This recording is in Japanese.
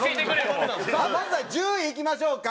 さあまずは１０位いきましょうか。